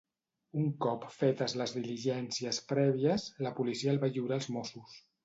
Un cop fetes les diligències prèvies, la policia el va lliurar als Mossos.